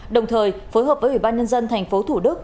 đồng thời phối hợp với ubnd tp thủ đức